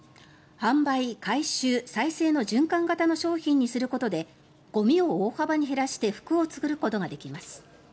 販売、回収、再生の循環型の商品にすることでゴミを大幅に減らして服を作ることができます。